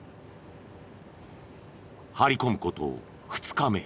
張り込む事２日目。